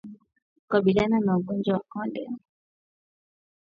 Kukabiliana na ugonjwa wa bonde la ufa wanyama wapewe chanjo